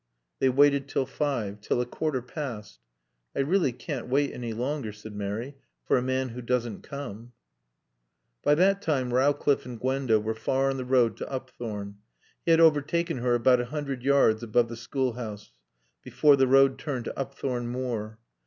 They waited till five; till a quarter past. "I really can't wait any longer," said Mary, "for a man who doesn't come." By that time Rowcliffe and Gwenda were far on the road to Upthorne. He had overtaken her about a hundred yards above the schoolhouse, before the road turned to Upthorne Moor.